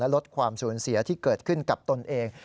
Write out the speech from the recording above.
ลดความสูญเสียที่เกิดขึ้นกับตนเอง